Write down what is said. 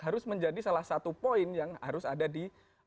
harus menjadi salah satu poin yang harus ada di